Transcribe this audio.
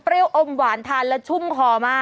เออมันแปลกอะ